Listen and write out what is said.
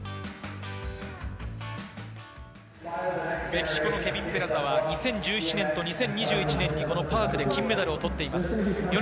メキシコのケビン・ペラザは２０１７年と２０２１年にパークで金メダルを取っています。